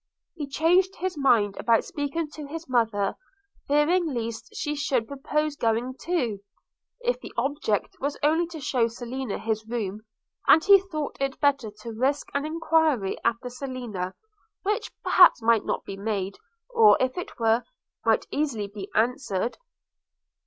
He changed his mind about speaking to his mother, fearing lest she should propose going too, if the object was only to shew Selina his room; and he thought it better to risk an enquiry after Selina, which perhaps might not be made, or, if it were, might easily be answered.